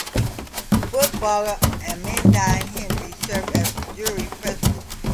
Footballer Amandine Henry served as the jury president.